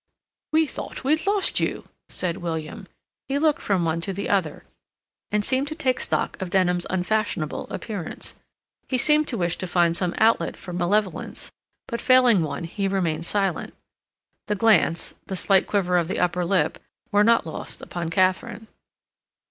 "We thought we'd lost you," said William. He looked from one to the other, and seemed to take stock of Denham's unfashionable appearance. He seemed to wish to find some outlet for malevolence, but, failing one, he remained silent. The glance, the slight quiver of the upper lip, were not lost upon Katharine.